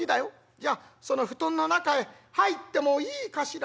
『じゃあその布団の中へ入ってもいいかしら』